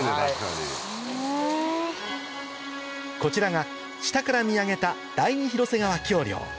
・はい・こちらが下から見上げた第二広瀬川橋梁